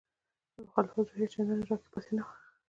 د مخالفت روحیه چندانې راکې پاتې نه وه.